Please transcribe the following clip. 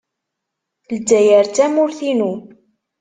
Lezzayer d tamurt-inu.